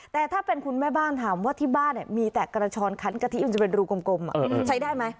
แต่ถ้าเป็นคุณแม่บ้านถามว่าที่บ้านมีแต่กระชอนคันกะทิมันจะเป็นรูกลมใช้ได้ไหม